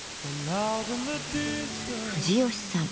藤吉さん